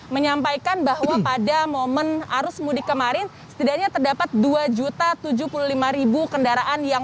menyampaikan bahwa pada momen arus mudik kemarin setidaknya terdapat dua tujuh puluh lima kendaraan yang